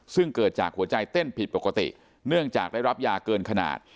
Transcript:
ซึ่งเกิดจากหัวใจเต้นผิดปกติเนื่องจากได้รับยาเกินขนาด